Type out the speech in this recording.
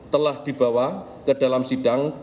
telah dibawa ke dalam sidang